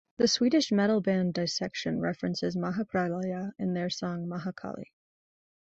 The Swedish metal band, Dissection, references "Mahapralaya" in their song, "Maha Kali".